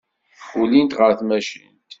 Ulint ɣer tmacint.